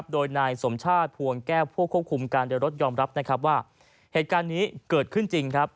โดยนายสมชาติภวงแก้วผู้ควบคุมการเดินรถยอมรับว่าเหตุการณ์นี้เกิดขึ้นจริง